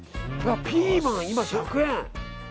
ピーマン、今、１００円！